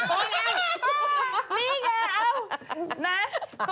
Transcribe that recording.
โอ๊ยโอ๊ยนี่แกเอ้า